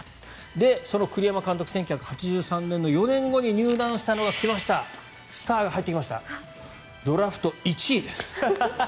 で、その栗山監督、１９８３年の４年後に入団したのが来ましたスターが入ってきましたドラフト１位です。